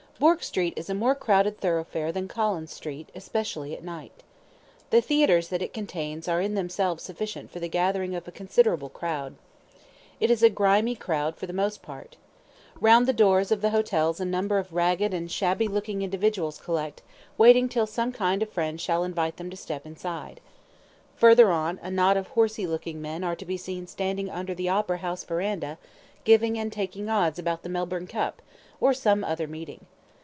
Bourke Street is a more crowded thoroughfare than Collins Street, especially at night. The theatres that it contains are in themselves sufficient for the gathering of a considerable crowd. It is a grimy crowd for the most part. Round the doors of the hotels a number of ragged and shabby looking individuals collect, waiting till some kind friend shall invite them to step inside. Further on a knot of horsey looking men are to be seen standing under the Opera House verandah giving and taking odds about the Melbourne Cup, or some other meeting.